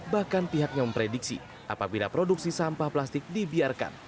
bahkan pihaknya memprediksi apabila produksi sampah plastik dibiarkan